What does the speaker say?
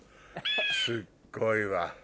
すっごいわ。